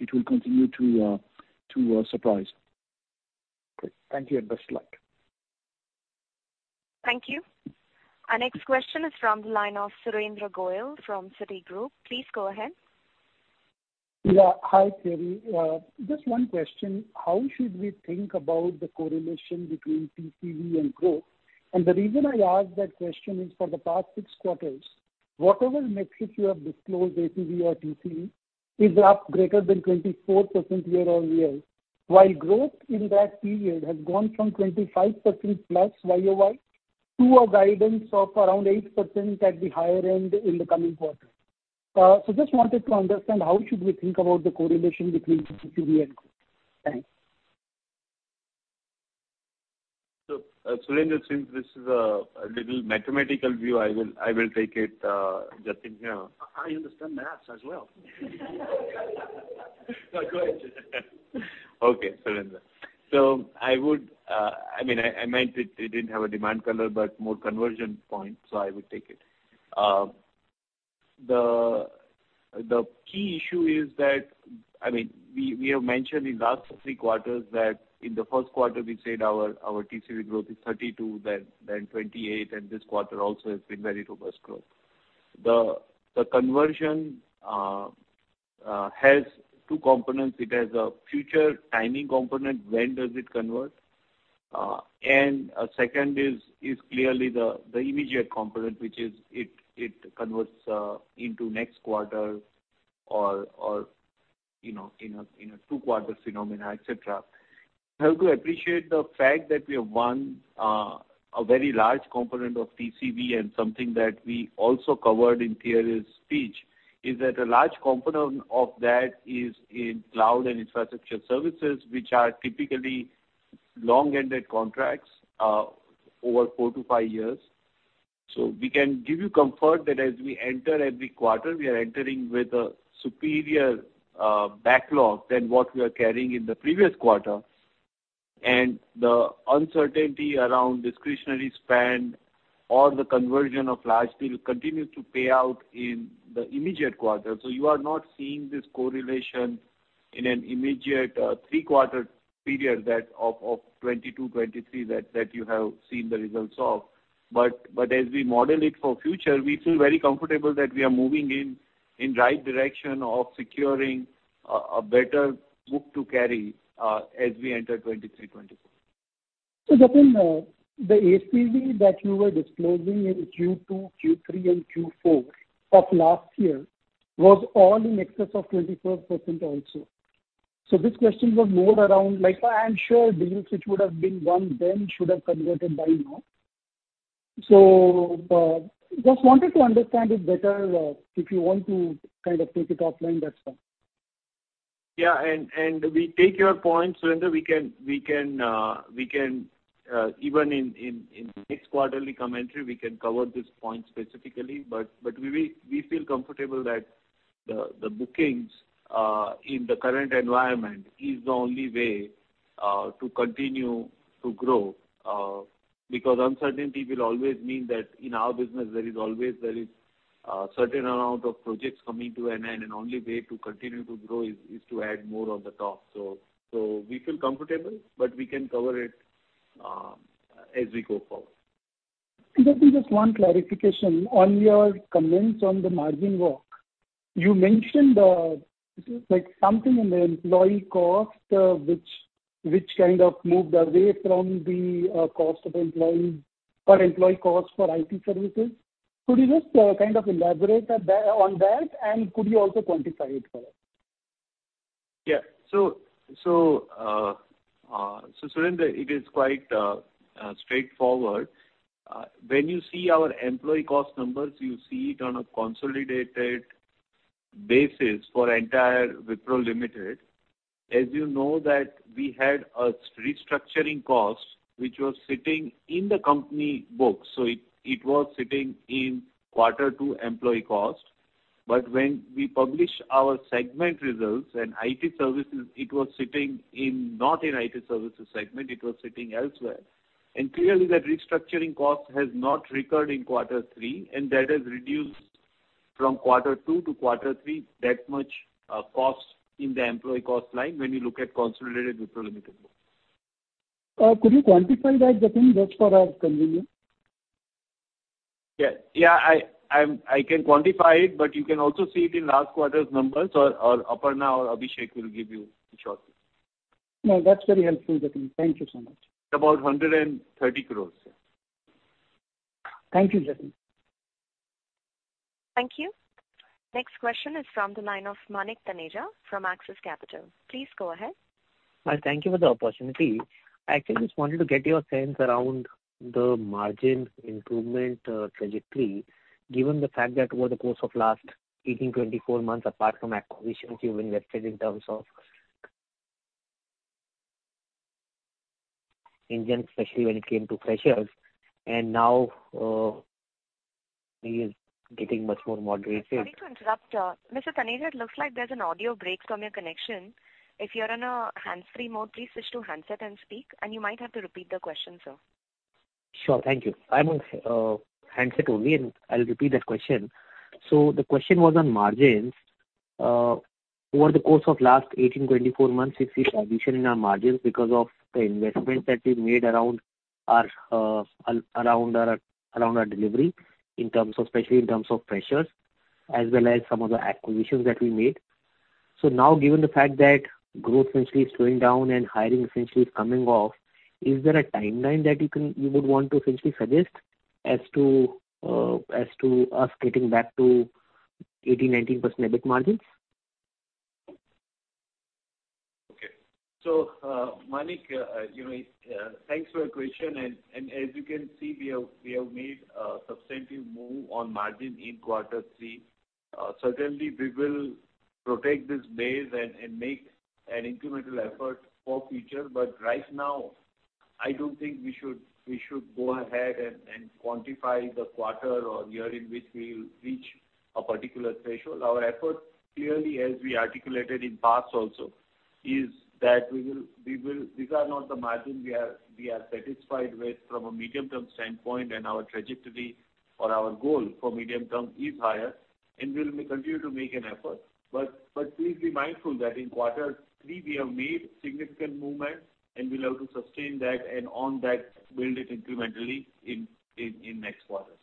S3: It will continue to surprise.
S9: Great. Thank you, and best luck.
S1: Thank you. Our next question is from the line of Surendra Goyal from Citigroup. Please go ahead.
S10: Yeah. Hi, Thierry. Just one question. How should we think about the correlation between TCV and growth? The reason I ask that question is for the past six quarters, whatever metrics you have disclosed, ACV or TCV, is up greater than 24% year-over-year, while growth in that period has gone from 25%+ YOY to a guidance of around 8% at the higher end in the coming quarter. Just wanted to understand how should we think about the correlation between TCV and growth? Thanks.
S4: Surendra, since this is a little mathematical view, I will take it, Jatin here.
S10: I understand math as well. No, go ahead.
S4: Okay, Surendra. I would, I mean, I meant it didn't have a demand color, but more conversion point, so I would take it. The key issue is that, I mean, we have mentioned in last three quarters that in the first quarter we said our TCV growth is 32%, then 28%, and this quarter also has been very robust growth. The conversion has two components. It has a future timing component, when does it convert? A second is clearly the immediate component, which is it converts into next quarter or, you know, in a 2-quarter phenomena, et cetera. You have to appreciate the fact that we have won a very large component of TCV and something that we also covered in TL's speech, is that a large component of that is in cloud and infrastructure services, which are typically long-ended contracts over 4-5 years. We can give you comfort that as we enter every quarter, we are entering with a superior backlog than what we are carrying in the previous quarter. The uncertainty around discretionary spend or the conversion of large deals continues to pay out in the immediate quarter. You are not seeing this correlation in an immediate, 3/4 period that of 2022, 2023 that you have seen the results of. As we model it for future, we feel very comfortable that we are moving in right direction of securing a better book to carry as we enter 2023, 2024.
S10: Jatin, the ACV that you were disclosing in Q2, Q3 and Q4 of last year was all in excess of 24% also. This question was more around like I am sure deals which would have been won then should have converted by now. Just wanted to understand it better, if you want to kind of take it offline, that's fine.
S4: Yeah, and we take your point, Surinder. We can even in next quarterly commentary, we can cover this point specifically. We feel comfortable that the bookings in the current environment is the only way to continue to grow. Because uncertainty will always mean that in our business there is always a certain amount of projects coming to an end, and only way to continue to grow is to add more on the top. We feel comfortable, but we can cover it as we go forward.
S10: Jatin, just one clarification. On your comments on the margin walk, you mentioned, like something on the employee cost, which kind of moved away from the per employee cost for IT services. Could you just, kind of elaborate on that? Could you also quantify it for us?
S4: Yeah. Surinder, it is quite straightforward. When you see our employee cost numbers, you see it on a consolidated basis for entire Wipro Limited. As you know that we had a restructuring cost which was sitting in the company books, it was sitting in quarter two employee cost. When we published our segment results and IT services, not in IT services segment, it was sitting elsewhere. Clearly that restructuring cost has not recurred in quarter three, and that has reduced from quarter two to quarter three, that much cost in the employee cost line when you look at consolidated Wipro Limited books.
S10: Could you quantify that, Jatin, just for our convenience?
S4: Yeah. Yeah, I can quantify it, but you can also see it in last quarter's numbers or Aparna or Abhishek will give you shortly.
S10: No, that's very helpful, Jatin. Thank you so much.
S4: About 130 crores.
S10: Thank you, Jatin.
S1: Thank you. Next question is from the line of Manik Taneja from Axis Capital. Please go ahead.
S11: Hi, thank you for the opportunity. I actually just wanted to get your sense around the margin improvement trajectory, given the fact that over the course of last 18, 24 months, apart from acquisitions, you've invested in terms of especially when it came to pressures. Now, it is getting much more moderated.
S1: Sorry to interrupt. Mr. Taneja, it looks like there's an audio break from your connection. If you're on a hands-free mode, please switch to handset and speak, and you might have to repeat the question, sir.
S11: Sure. Thank you. I'm on handset only. I'll repeat that question. The question was on margins. Over the course of last 18, 24 months, we've seen a revision in our margins because of the investments that we've made around our delivery in terms of, especially in terms of pressures, as well as some of the acquisitions that we made. Now given the fact that growth essentially is slowing down and hiring essentially is coming off, is there a timeline that you would want to essentially suggest as to us getting back to 18%, 19% EBIT margins?
S4: Okay. Manik, you know, thanks for your question. As you can see, we have made a substantive move on margin in quarter three. Certainly we will protect this base and make an incremental effort for future. Right now, I don't think we should go ahead and quantify the quarter or year in which we will reach a particular threshold. Our effort clearly, as we articulated in past also, is that we will. These are not the margins we are satisfied with from a medium-term standpoint, and our trajectory or our goal for medium-term is higher. We'll continue to make an effort. Please be mindful that in quarter three we have made significant movement. We'll have to sustain that and on that build it incrementally in next quarters.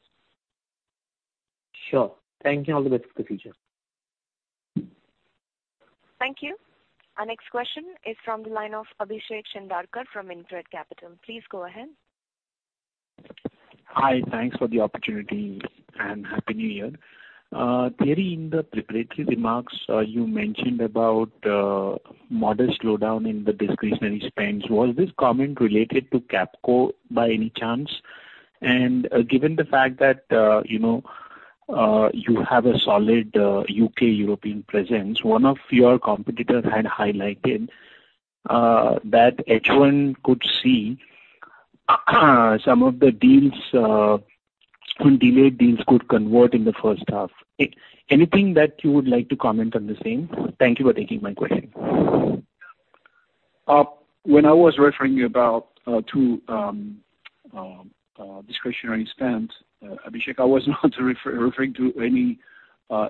S11: Sure. Thank you. All the best for the future.
S1: Thank you. Our next question is from the line of Abhishek Bhandarkar from Intraday Capital. Please go ahead.
S12: Hi. Thanks for the opportunity and Happy New Year. Thierry, in the preparatory remarks, you mentioned about model slowdown in the discretionary spends. Was this comment related to Capco by any chance? Given the fact that, you know, you have a solid UK European presence, one of your competitors had highlighted that H1 could see, some of the deals, delayed deals could convert in the first half. Anything that you would like to comment on the same? Thank you for taking my question.
S3: When I was referring about to discretionary spend, Abhishek, I was not referring to any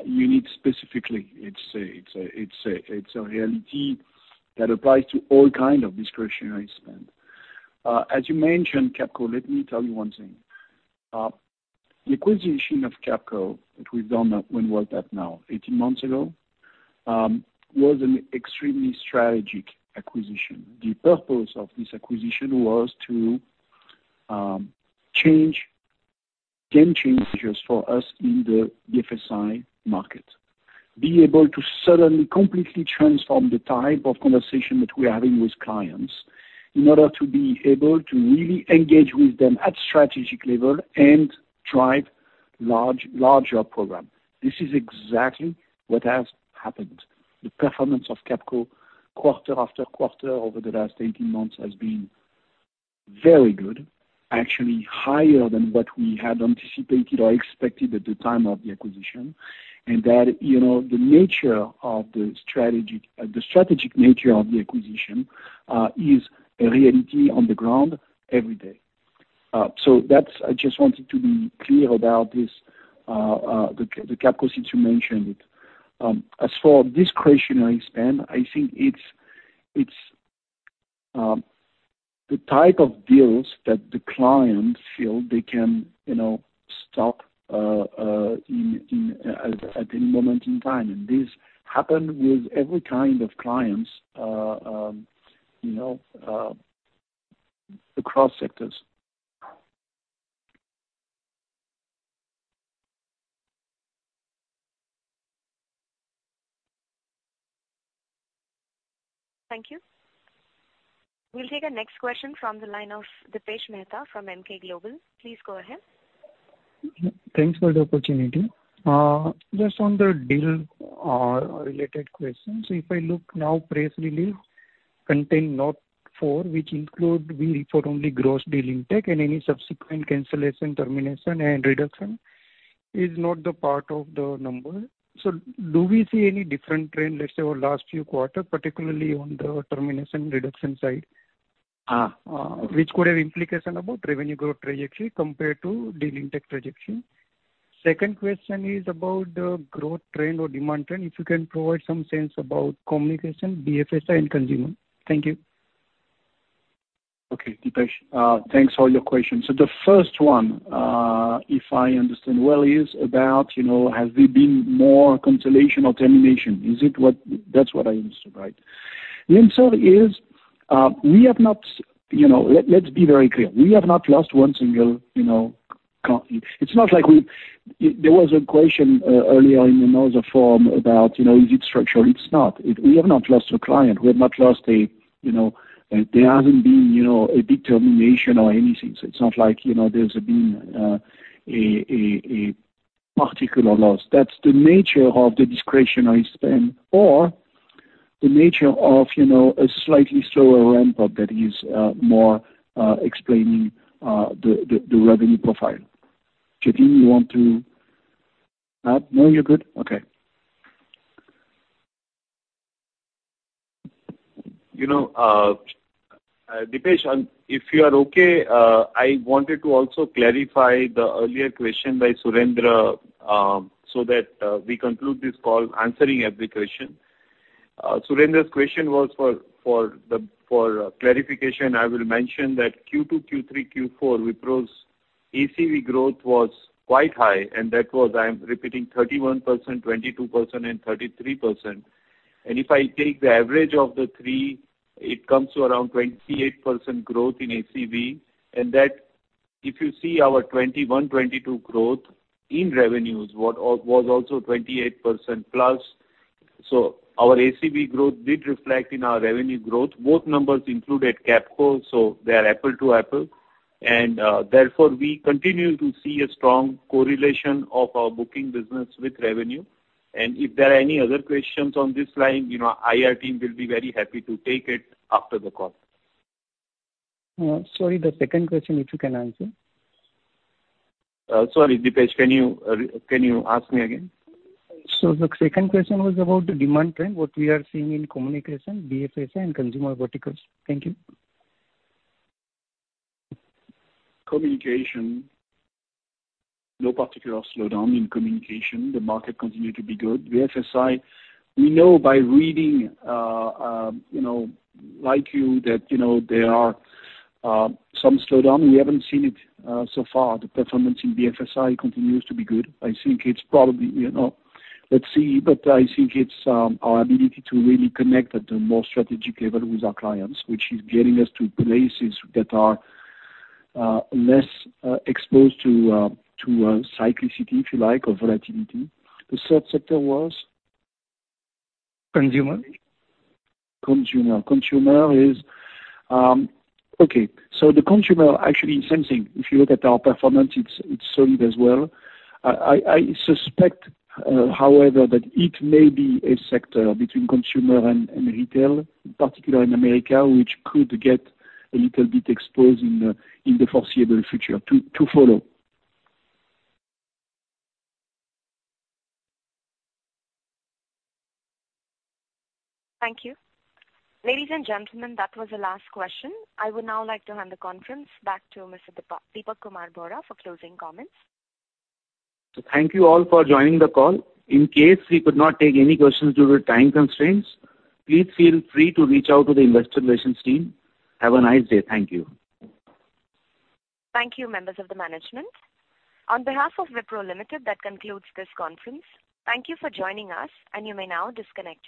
S3: unit specifically. It's a reality that applies to all kind of discretionary spend. As you mentioned, Capco, let me tell you one thing. The acquisition of Capco, which we've done one work back now, 18 months ago, was an extremely strategic acquisition. The purpose of this acquisition was to change game changers for us in the BFSI market. Be able to suddenly completely transform the type of conversation that we are having with clients in order to be able to really engage with them at strategic level and drive larger program. This is exactly what has happened. The performance of Capco quarter after quarter over the last 18 months has been very good. Actually higher than what we had anticipated or expected at the time of the acquisition. That, you know, the strategic nature of the acquisition is a reality on the ground every day. That's. I just wanted to be clear about this, the Capco since you mentioned it. As for discretionary spend, I think it's the type of deals that the clients feel they can, you know, stop at any moment in time. This happened with every kind of clients, you know, across sectors.
S1: Thank you. We'll take our next question from the line of Dipesh Mehta from Emkay Global. Please go ahead.
S13: Thanks for the opportunity. Just on the deal, related question. If I look now, press release contain note 4, which include we report only gross deal intake and any subsequent cancellation, termination, and reduction is not the part of the number. Do we see any different trend, let's say, over last few quarters, particularly on the termination reduction side?
S3: Uh.
S13: Which could have implication about revenue growth trajectory compared to deal intake trajectory. Second question is about growth trend or demand trend. If you can provide some sense about communication, BFSI and consumer. Thank you.
S3: Okay. Dipesh, thanks for your question. The first one, if I understand well, is about, you know, has there been more cancellation or termination? That's what I understood, right? The answer is, we have not, you know... Let's be very clear. We have not lost 1 single, you know, There was a question earlier in another forum about, you know, is it structural? It's not. We have not lost a client. We have not lost. There hasn't been, you know, a big termination or anything. It's not like, you know, there's been a particular loss. That's the nature of the discretionary spend or the nature of, you know, a slightly slower ramp up that is more explaining the revenue profile. Jatin Dalal, you want to add?
S4: No,
S3: you're good? Okay. You know, Dipesh, if you are okay, I wanted to also clarify the earlier question by Surendra, so that we conclude this call answering every question. Surendra's question was for the clarification. I will mention that Q2, Q3, Q4, Wipro's ACV growth was quite high, and that was, I am repeating, 31%, 22%, and 33%. If I take the average of the three, it comes to around 28% growth in ACV. That if you see our 2021, 2022 growth in revenues, what was also 28%+. Our ACV growth did reflect in our revenue growth. Both numbers included Capco, they are apple to apple. Therefore, we continue to see a strong correlation of our booking business with revenue. If there are any other questions on this line, you know, IR team will be very happy to take it after the call.
S13: Sorry. The second question, if you can answer.
S3: sorry, Dipesh. Can you ask me again?
S13: The second question was about the demand trend, what we are seeing in communication, BFSI and consumer verticals. Thank you.
S3: Communication. No particular slowdown in communication. The market continue to be good. BFSI, we know by reading, you know, like you that, you know, there are some slowdown. We haven't seen it so far. The performance in BFSI continues to be good. I think it's probably, you know. Let's see. I think it's our ability to really connect at a more strategic level with our clients, which is getting us to places that are less exposed to cyclicity, if you like, or volatility. The third sector was?
S13: Consumer.
S3: Consumer. Consumer is okay. The consumer actually same thing. If you look at our performance, it's solid as well. I suspect, however, that it may be a sector between consumer and retail, in particular in America, which could get a little bit exposed in the foreseeable future. To follow.
S1: Thank you. Ladies and gentlemen, that was the last question. I would now like to hand the conference back to Mr. Dipak Kumar Bohra for closing comments.
S2: Thank you all for joining the call. In case we could not take any questions due to time constraints, please feel free to reach out to the investor relations team. Have a nice day. Thank you.
S1: Thank you, members of the management. On behalf of Wipro Limited, that concludes this conference. Thank you for joining us, and you may now disconnect your lines.